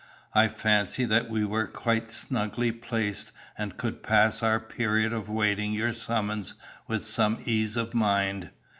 I fancied that we were quite snugly placed and could pass our period of waiting your summons with some ease of mind.